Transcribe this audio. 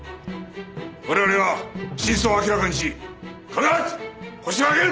我々は真相を明らかにし必ずホシを挙げる！